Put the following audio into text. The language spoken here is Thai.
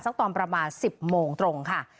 ตอนประมาณ๑๐โมงตรงค่ะ